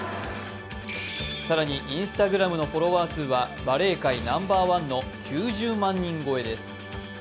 更にＩｎｓｔａｇｒａｍのフォロワー数はバレー界ナンバーワンの９０万人超えです。